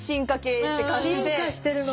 進化してるの。